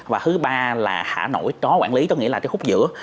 và thứ ba là thả nội tró quản lý có nghĩa là cái khúc giữa